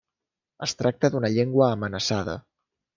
Es tracta d'una llengua amenaçada.